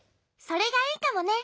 それがいいかもね。